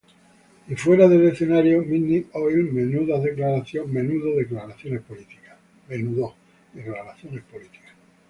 Y fuera del escenario, Midnight Oil menudo declaraciones políticas.